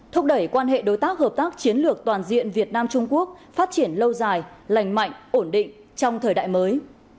thúc đẩy quan hệ đối tác hợp tác chiến lược toàn diện việt nam trung quốc phát triển lâu dài lành mạnh ổn định trong thời đại mới